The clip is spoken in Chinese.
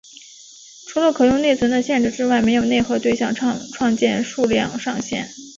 除了可用内存的限制之外没有内核对象创建数量上限。